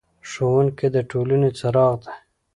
ښوونکی د ټولنې څراغ دی.